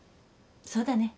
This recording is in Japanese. そうだね。